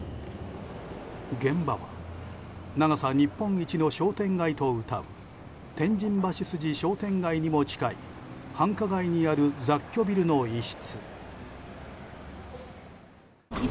現場は長さ日本一の商店街とうたう天神橋筋商店街にも近い繁華街にある雑居ビルの一室。